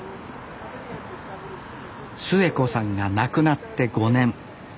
スエコさんが亡くなって５年。